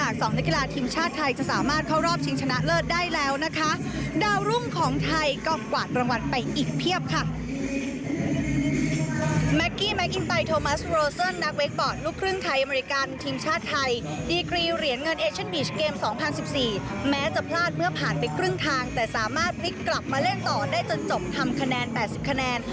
แม้จะพลาดเมื่อผ่านไปครึ่งทางแต่สามารถพลิกกลับมาเล่นต่อได้จนจบทำคะแนน๘๐คะแนน